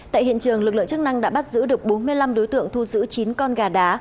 tại hiện trường lực lượng chức năng đã bắt giữ được bốn mươi năm đối tượng thu giữ chín con gà đá